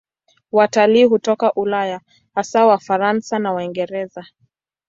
Watalii hutoka Ulaya, hasa Wafaransa na Waingereza.